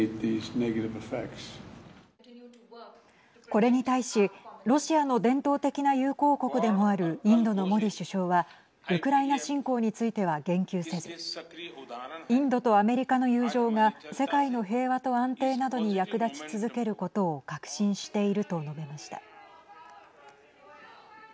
これに対しロシアの伝統的な友好国でもあるインドのモディ首相はウクライナ侵攻については言及せずインドとアメリカの友情が世界の平和と安定などに役立ち続けることを確信していると述べました。